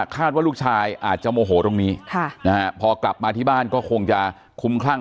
ว่าลูกชายอาจจะโมโหตรงนี้พอกลับมาที่บ้านก็คงจะคุ้มคลั่ง